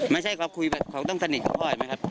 ไม่ใช่ก็คุยเขาที่สนิทกับพ่อเธอบ้างครับ